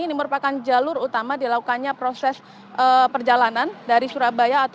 ini merupakan jalur utama dilakukannya proses perjalanan dari surabaya